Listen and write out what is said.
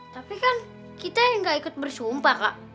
tapi kan kita yang gak ikut bersumpah kak